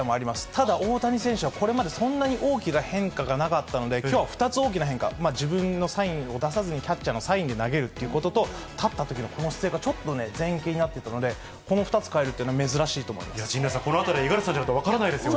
ただ大谷選手はこれまでそんなに大きな変化がなかったので、きょうは２つ大きな変化、自分のサインを出さずに、キャッチャーのサインで投げるってことと、立ったときのこの姿勢がちょっとね、前傾になってたので、この２つ変えるというのは、珍しいと思いま陣内さん、このあたり、五十嵐さんでないと分からないですよね。